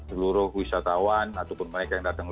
seluruh wisatawan ataupun mereka yang datang